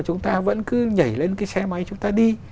chúng ta vẫn cứ nhảy lên cái xe máy chúng ta đi